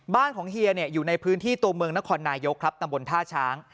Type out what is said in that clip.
บ้านของเฮียอยู่ในพื้นที่ตัวเมืองนครนายกครับตำบลท่าช้าง